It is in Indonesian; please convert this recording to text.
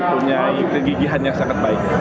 punya kegigihan yang sangat baik